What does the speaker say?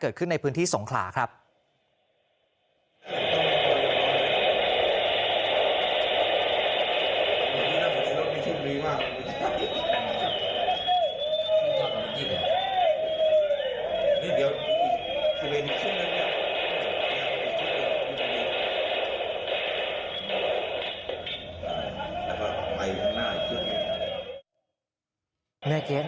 นี่เดี๋ยวเทวินนี้ขึ้นหนึ่งเนี่ย